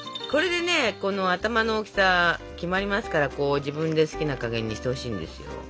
これでねこの頭の大きさ決まりますから自分で好きな加減にしてほしいんですよ。